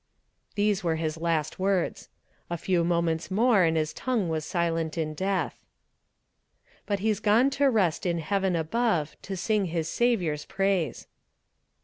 These were his last words. A few moments more and his tongue was silent in death. But he's gone to rest in heaven above, To sing his Saviour's praise.